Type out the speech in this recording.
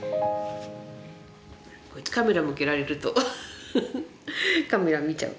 カメラ向けられるとフフカメラ見ちゃう。